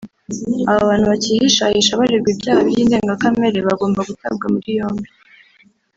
aba bantu bakihishahisha baregwa ibyaha by’indengakamere bagomba gutabwa muri yombi